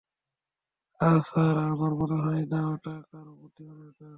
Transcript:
আহ, sir, আমার মনে হয় না, ওটা করা বুদ্ধিমানের কাজ হবে।